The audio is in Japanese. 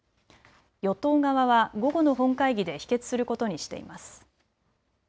与党側は午後の本会議で否決することにしています。